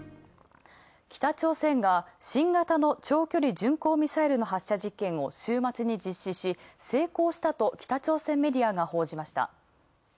北朝鮮が新型の長距離巡航ミサイルの発射実験を週末に実施し、成功したと北朝鮮メディアが報じました。